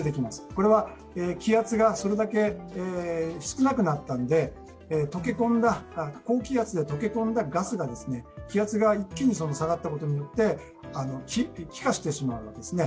これは気圧がそれだけ少なくなったので高気圧で溶け込んだガスが、気圧が一気に下がったことによって気化してしまうわけですね。